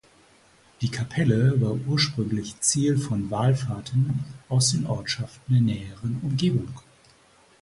Die Kapelle war ursprünglich Ziel von Wallfahrten aus den Ortschaften der näheren Umgebung.